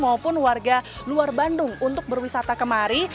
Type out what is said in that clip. maupun warga luar bandung untuk berwisata kemari